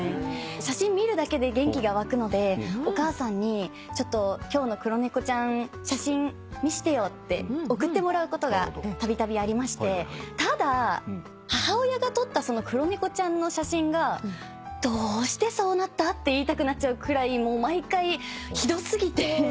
写真見るだけで元気が湧くのでお母さんに今日の黒猫ちゃん写真見してよって送ってもらうことがたびたびありましてただ母親が撮ったその黒猫ちゃんの写真がどうしてそうなったって言いたくなっちゃうくらい毎回ひどすぎて。